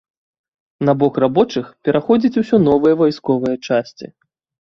На бок рабочых пераходзяць усё новыя вайсковыя часці.